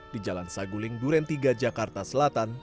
di jalan saguling duren tiga jakarta selatan